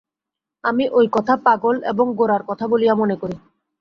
আমি ঐ কথা পাগল এবং গোঁড়ার কথা বলিয়া মনে করি।